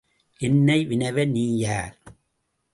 என்னை வினவ நீ யார்?